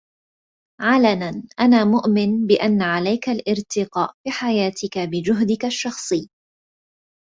علنا، أنا مؤمن بأن عليك الارتقاء في حياتك بجهدك الشخصي.